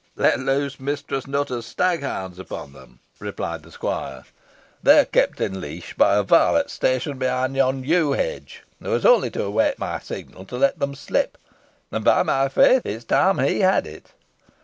"Let loose Mistress Nutter's stag hounds upon them," replied the squire. "They are kept in leash by a varlet stationed behind yon yew tree hedge, who only awaits my signal to let them slip; and by my faith it is time he had it."